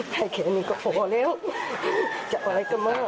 ถ้าแขนมีกระโภแล้วจะเอาอะไรก็เมื่อ